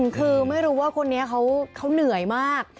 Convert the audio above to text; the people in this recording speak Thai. คือไม่รู้ว่าคนนี้เขาเหนื่อยมาก